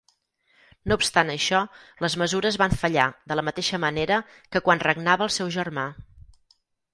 No obstant això, les mesures van fallar de la mateixa manera que quan regnava el seu germà.